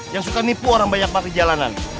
yang suka nipu orang banyak banget di jalanan